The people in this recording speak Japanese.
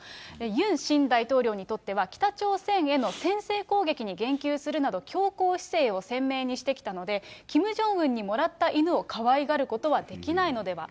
ユン新大統領にとっては、北朝鮮への先制攻撃に言及するなど、強硬姿勢を鮮明にしてきたので、キム・ジョンウンにもらった犬をかわいがることはできないのでは？